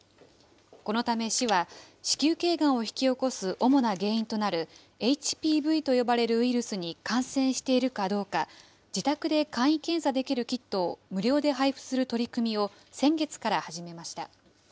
このため市は、子宮頸がんを引き起こす主な原因となるＨＰＶと呼ばれるウイルスに感染しているかどうか、自宅で簡易検査できるキットを無料で配布する取り組みを先月から始めました。